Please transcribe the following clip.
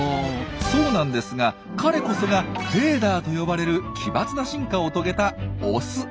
そうなんですが彼こそが「フェーダー」と呼ばれる奇抜な進化を遂げたオス。